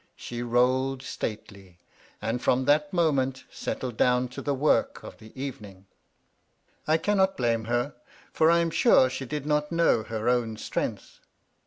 She rolled stately, and from that moment set tled down to the work of the evening. I cannot IT I blame her, for I am sure she did not know her own strength.